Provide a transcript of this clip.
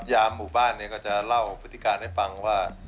ยามหมู่บ้านเนี่ยก็จะเล่าพฤติการให้ฟังว่า